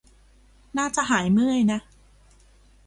น่าจะหายเมื่อยนะ